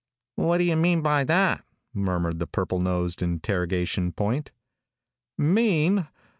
"What do you mean by that?" murmured the purple nosed interrogation point. "Mean?